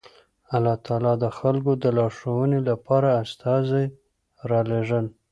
الله تعالی د خلکو د لارښوونې لپاره استازي رالېږل